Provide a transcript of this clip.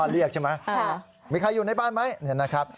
เรียกใช่ไหมมีใครอยู่ในบ้านไหมนะครับ